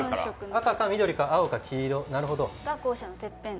赤か緑か青か黄色なるほど。